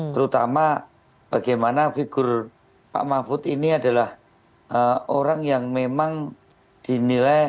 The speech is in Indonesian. terutama bagaimana figur pak mahfud ini adalah orang yang memang dinilai dalam kaitan sebagai orang yang clear dan benar